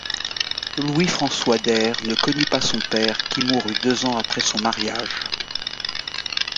Louis-François Daire ne connut pas son père qui mourut deux ans après son mariage.